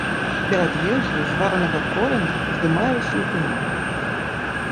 Перад ежай з варанага кораня здымаюць лупіну.